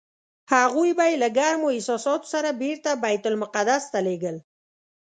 هغوی به یې له ګرمو احساساتو سره بېرته بیت المقدس ته لېږل.